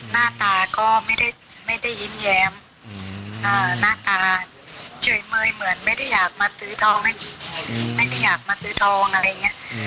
น่าตาเฉยมือยอย่ว่าไม่ได้อยากมาซื้อทอง